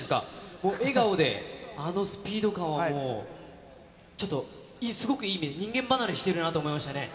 もう笑顔で、あのスピード感はもう、ちょっと、すごくいい意味で、人間離れしているなと思いましたね。